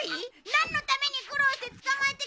なんのために苦労して捕まえてきたんだ！？